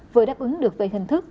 vừa đáp ứng được về hình thức